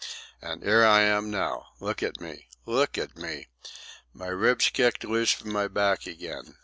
An' 'ere I am now. Look at me! Look at me! My ribs kicked loose from my back again.